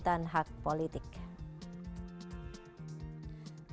dan surya dharma ali difonis